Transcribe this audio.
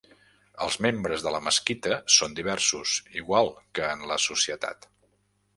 Els membres de la mesquita són diversos, igual que en la societat.